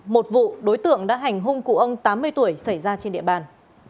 một vụ đối tượng đã hành hung cụ ông tám mươi tuổi xảy ra trên địa bàn